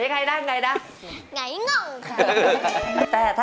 เดี๋ยวให้ใครนั่งไงนะ